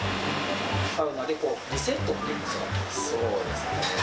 サウナでリセットっていうんそうですね。